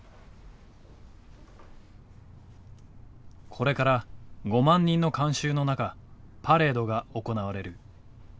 これから５万人の観衆の中パレードが行われる。